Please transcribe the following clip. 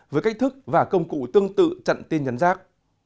với cách thức và công cụ tương tự chặn tin nhắn rác